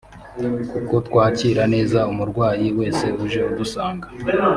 kuko twakira neza umurwayi wese uje adusanga